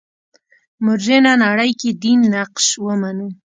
مډرنه نړۍ کې دین نقش ومنو.